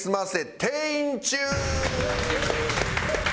店員中。